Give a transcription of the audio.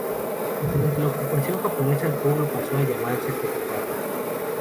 Durante la ocupación japonesa, el pueblo pasó a llamarse Tokugawa.